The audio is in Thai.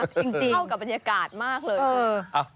เท่ากับบรรยากาศมากเลย